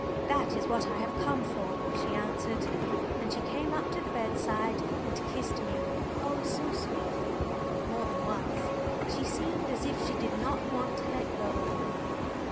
"That is what I have come for," she answered. And she came up to the bedside and kissed me, oh so sweetly more than once. She seemed as if she did not want to let go of me.